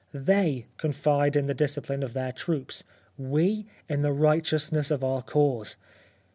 They confide in the discipline of their troops — we in the righteousness of our cause.